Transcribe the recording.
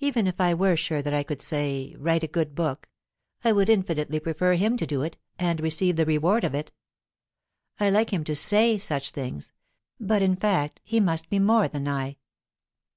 Even if I were sure that I could, say, write a good book, I would infinitely prefer him to do it and receive the reward of it. I like him to say such things, but in fact he must be more than I.